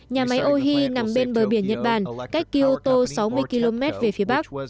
nhà máy ohi nằm bên bờ biển nhật bản cách kyoto sáu mươi km về phía bắc